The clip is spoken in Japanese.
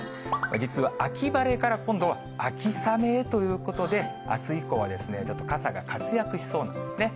実は秋晴れから、今度は秋雨へということで、あす以降は、ちょっと傘が活躍しそうなんですね。